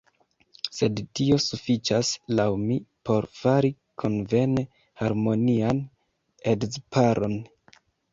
Sed tio sufiĉas, laŭ mi, por fari konvene harmonian edzparon.